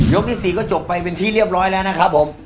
ที่๔ก็จบไปเป็นที่เรียบร้อยแล้วนะครับผม